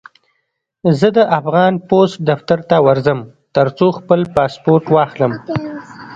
زه د افغان پوسټ دفتر ته ورځم، ترڅو خپل پاسپورټ واخلم.